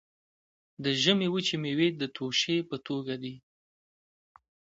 د ژمي وچې میوې د توشې په توګه دي.